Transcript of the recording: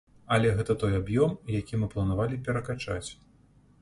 Але гэта той аб'ём, які мы планавалі перакачаць.